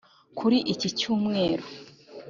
Kuri iki cyumweru